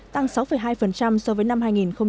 tăng sáu hai so với năm hai nghìn một mươi bảy